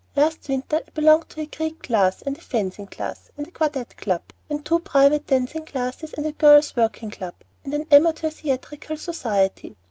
Last winter I belonged to a Greek class and a fencing class, and a quartette club, and two private dancing classes, and a girls' working club, and an amateur theatrical society.